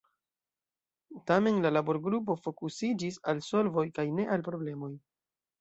Tamen la laborgrupo fokusiĝis al solvoj kaj ne al problemoj.